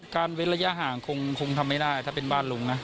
การเวลาย่าห่างคงทำไม่ได้ถ้าเป็นบ้านลุงนะ